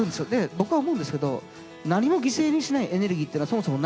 僕は思うんですけど何も犠牲にしないエネルギーっていうのはそもそもないんです。